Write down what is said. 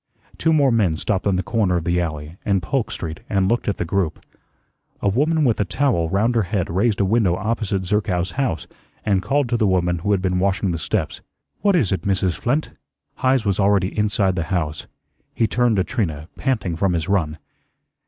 Two more men stopped on the corner of the alley and Polk Street and looked at the group. A woman with a towel round her head raised a window opposite Zerkow's house and called to the woman who had been washing the steps, "What is it, Mrs. Flint?" Heise was already inside the house. He turned to Trina, panting from his run.